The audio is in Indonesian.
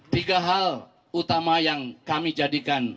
tiga hal utama yang kami jadikan